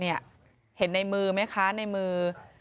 เห็นในมือไหมคะในมือ